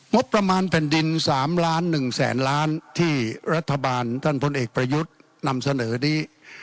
งบประมาณแผ่นดิน๓ล้าน๑แสนล้านที่รัฐบาลท่านพลเอกประยุทธ์นำเสนอนี้